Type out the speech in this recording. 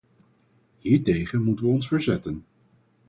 Hiertegen moeten we ons verzetten.